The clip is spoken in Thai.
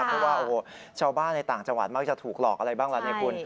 เพราะว่าโอ้โหชาวบ้านในต่างจังหวัดมักจะถูกหลอกอะไรบ้างล่ะเนี่ยคุณ